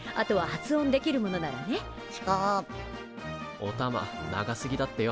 おたま長すぎだってよ。